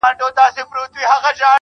د ژوند په غاړه کي لوېدلی يو مات لاس يمه.